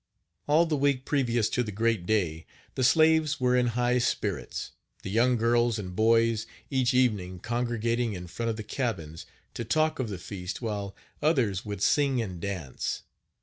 All the week previous to the great day, the slaves were in high spirits, the young girls and boys, each evening, congregating, in front of the cabins, to talk of the feast, while others would sing and dance.